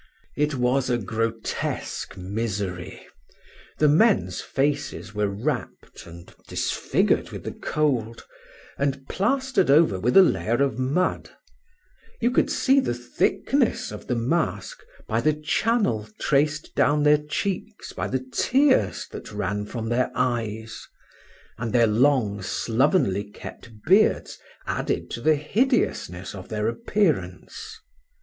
It was a grotesque misery. The men's faces were wrapped and disfigured with the cold, and plastered over with a layer of mud; you could see the thickness of the mask by the channel traced down their cheeks by the tears that ran from their eyes, and their long slovenly kept beards added to the hideousness of their appearance.